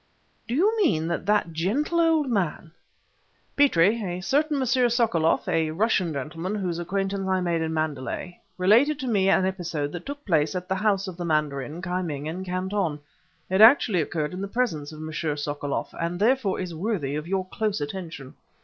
"Do you mean that that gentle old man " "Petrie, a certain M. Sokoloff, a Russian gentleman whose acquaintance I made in Mandalay, related to me an episode that took place at the house of the mandarin Ki Ming in Canton. It actually occurrd in the presence of M. Sokoloff, and therefore is worthy of your close attention.